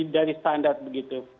dari standar begitu